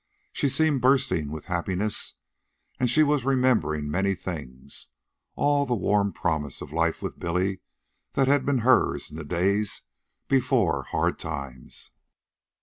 She seemed bursting with happiness, and she was remembering many things all the warm promise of life with Billy that had been hers in the days before hard times.